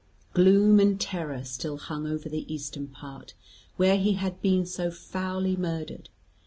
Gloom and terror still hung over the eastern part, where he had been so foully murdered.